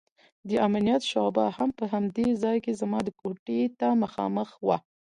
د امنيت شعبه هم په همدې ځاى کښې زما کوټې ته مخامخ وه.